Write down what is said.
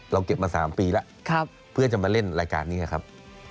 เก็บมา๓ปีแล้วเพื่อจะมาเล่นรายการนี้ครับ